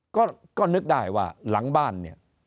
ก็นึกได้ว่าหลังบ้านเนี่ย